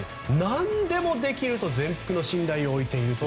何でもできると全幅の信頼を置いていると。